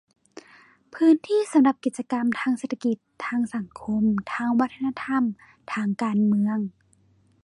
พื้นที่สำหรับกิจกรรมทางเศรษฐกิจ ทางสังคม ทางวัฒนธรรม ทางการเมือง